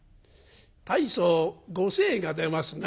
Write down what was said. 大層ご精が出ますな」。